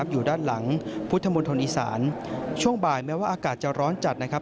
อยู่ด้านหลังพุทธมณฑลอีสานช่วงบ่ายแม้ว่าอากาศจะร้อนจัดนะครับ